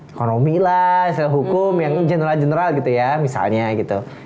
ekonomi lah hukum yang general general gitu ya misalnya gitu